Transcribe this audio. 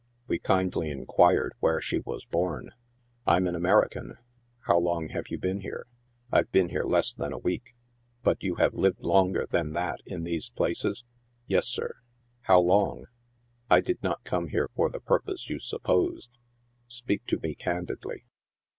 We kindly inquired where she was born. " I'm an American." " How long have you been here ?"" I've been here less than a week." "But you have lived longer than that in these places?" " Yes, sir." " How long ? I did not come here for the purpose you supposed ; speak to me candidly."